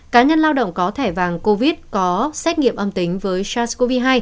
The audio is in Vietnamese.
cá nhân lao động có thẻ vàng covid có xét nghiệm âm tính với sars cov hai